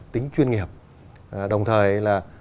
tính chuyên nghiệp đồng thời là